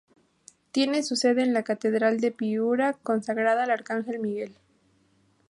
Tiene su sede en la catedral de Piura, consagrada al arcángel Miguel.